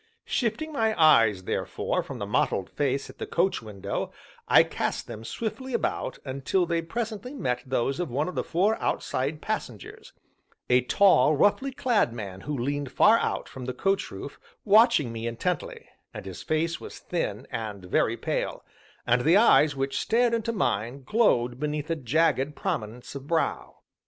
Shifting my eyes, therefore, from the mottled face at the coach window, I cast them swiftly about until they presently met those of one of the four outside passengers a tall, roughly clad man who leaned far out from the coach roof, watching me intently; and his face was thin, and very pale, and the eyes which stared into mine glowed beneath a jagged prominence of brow.